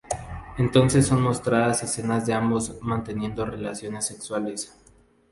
Entonces son mostradas escenas de ambos manteniendo relaciones sexuales.